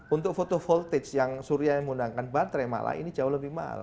untuk foto voltage yang surya yang menggunakan baterai malah ini jauh lebih mahal